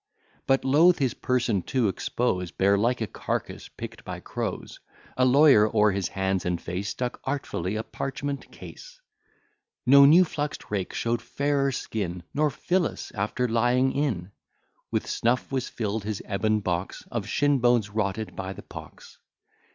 But, loath his person to expose Bare, like a carcass pick'd by crows, A lawyer, o'er his hands and face Stuck artfully a parchment case. No new flux'd rake show'd fairer skin; Nor Phyllis after lying in. With snuff was fill'd his ebon box, Of shin bones rotted by the pox.